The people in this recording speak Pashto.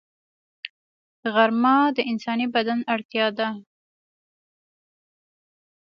غرمه د انساني بدن اړتیا ده